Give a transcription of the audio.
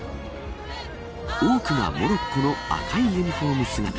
多くがモロッコの赤いユニホーム姿。